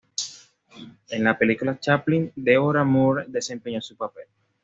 En la película "Chaplin", Deborah Moore desempeñó su papel.